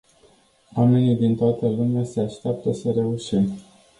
Oameni din toată lumea se așteaptă să reușim.